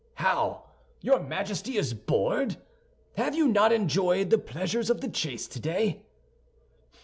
"How! Your Majesty is bored? Have you not enjoyed the pleasures of the chase today?"